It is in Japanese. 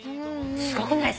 すごくない？